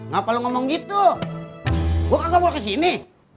gue nggak mau ke sini